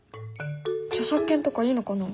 著作権とかいいのかな？